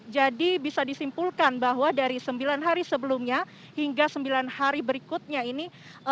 jadi bisa disimpulkan bahwa dari sembilan hari sebelumnya hingga sembilan hari berikutnya ini